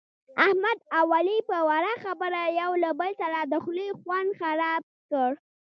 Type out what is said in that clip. احمد اوعلي په وړه خبره یو له بل سره د خولې خوند خراب کړ.